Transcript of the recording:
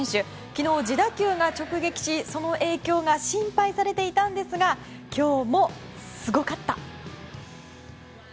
昨日、自打球が直撃しその影響が心配されていたんですが今日もすごかった！